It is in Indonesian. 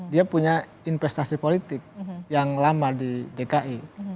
dia punya investasi politik yang lama di dki